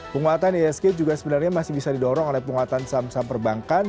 penguatan ysg juga sebenarnya masih bisa didorong oleh penguatan sam sam perbankan